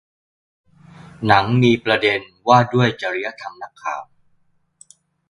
หนังมีประเด็นว่าด้วยจริยธรรมนักข่าว